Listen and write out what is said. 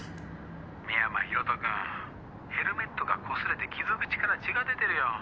深山大翔君ヘルメットがこすれて傷口から血が出てるよ